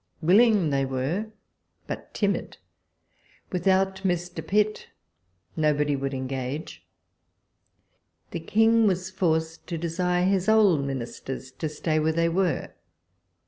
Willing were they, but timid. Without ]\Ir. Pitt nobody would engage. The King was forced to desire his old Ministers to stay where they were.